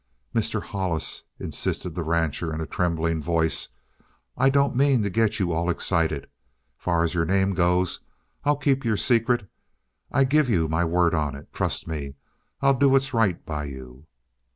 "Mr. Hollis," insisted the rancher in a trembling voice, "I don't mean to get you all excited. Far as your name goes, I'll keep your secret. I give you my word on it. Trust me, I'll do what's right by you."